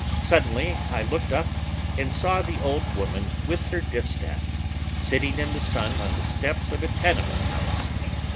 Suddenly I looked up and saw the old woman with her distaff, sitting in the sun on the steps of a tenement house.